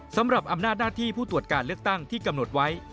สำหรับอำนาจหน้าที่ผู้ตรวจการเลือกตั้งที่กำหนดไว้